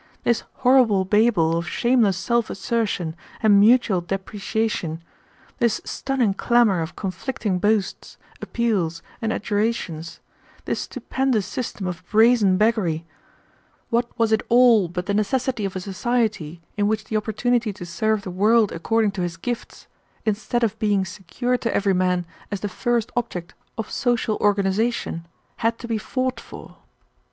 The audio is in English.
This horrible babel of shameless self assertion and mutual depreciation, this stunning clamor of conflicting boasts, appeals, and adjurations, this stupendous system of brazen beggary, what was it all but the necessity of a society in which the opportunity to serve the world according to his gifts, instead of being secured to every man as the first object of social organization, had to be fought for!